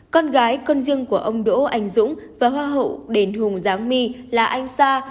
con gái con riêng của ông đỗ anh dũng và hoa hậu đền hùng giáng my là anh sa